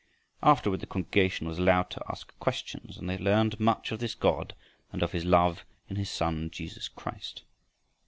Afterward the congregation was allowed to ask questions, and they learned much of this God and of his love in his Son Jesus Christ.